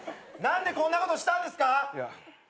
何でこんなことしたんで。